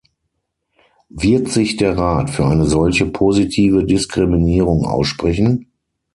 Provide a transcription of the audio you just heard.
Wird sich der Rat für eine solche positive Diskriminierung aussprechen?